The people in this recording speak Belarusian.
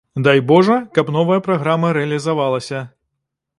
Дай божа, каб новая праграма рэалізавалася.